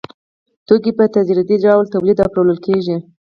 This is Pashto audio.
توکي په تدریجي ډول تولید او پلورل کېږي